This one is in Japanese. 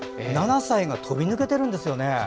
７歳が飛び抜けているんですね。